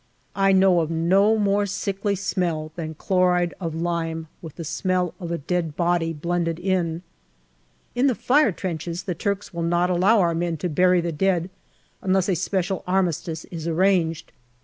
I know of no more sickly smell than chloride of lime with the smell of a dead body blended in. In the fire trenches the Turks will not allow our men to bury the dead unless a special armistice is arranged.